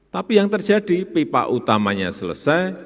tapi yang terjadi pipa utamanya selesai